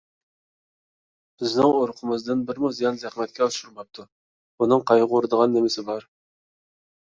بىزنىڭ ئۇرۇقىمىزدىن بىرىمۇ زىيان - زەخمەتكە ئۇچرىماپتۇ. بۇنىڭ قايغۇرىدىغان نېمىسى بار؟